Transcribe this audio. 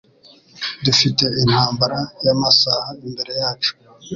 Dufite intambara yamasaha imbere yacu.